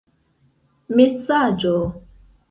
mesaĝo